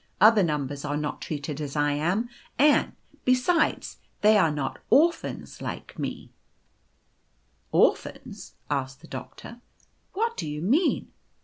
Other numbers are not treated as I am ; and, besides, they are not orphans like me/ 4Ci Orphans?' asked the Doctor; 'what do you mean